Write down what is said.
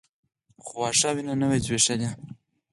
خو واښه وينه نه وه ځبېښلې.